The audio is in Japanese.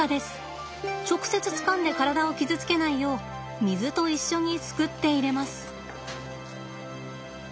直接つかんで体を傷つけないよう水と一緒にすくって入れます。